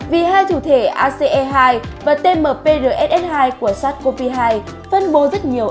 vì hai thủ thể ace hai và tmprss hai của sars cov hai phân bố rất nhiều